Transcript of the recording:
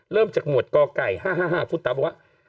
เริ่มจากหมวดกไก่คุณเต๋าบอกว่า